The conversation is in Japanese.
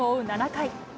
７回。